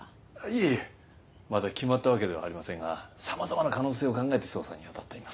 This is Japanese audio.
いえまだ決まったわけではありませんが様々な可能性を考えて捜査にあたっています。